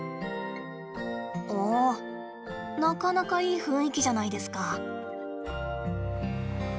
おおなかなかいい雰囲気じゃないですか。